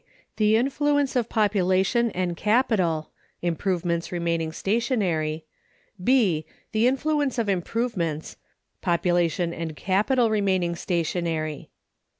The Influence of Population and Capital (Improvements remaining stationary). B. The Influence of Improvements (Population and Capital remaining stationary).